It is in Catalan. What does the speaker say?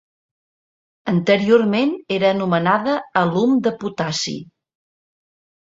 Anteriorment era anomenada alum de potassi.